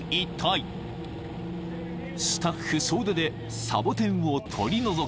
［スタッフ総出でサボテンを取り除き］